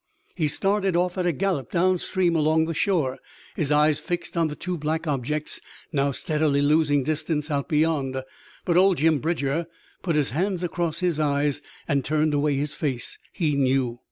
He started off at a gallop downstream along the shore, his eyes fixed on the two black objects, now steadily losing distance out beyond. But old Jim Bridger put his hands across his eyes and turned away his face. He knew!